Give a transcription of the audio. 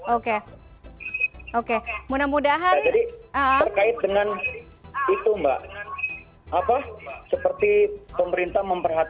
oke oke mudah mudahan jadi terkait dengan itu mbak apa seperti pemerintah